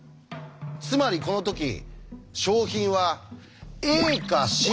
つまりこのとき賞品はＡかＣ